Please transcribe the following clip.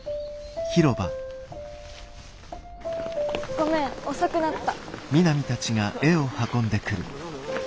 ごめん遅くなった。